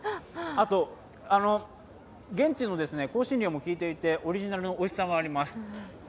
あと、現地の香辛料も効いていて、オリジナルのおいしさがあります。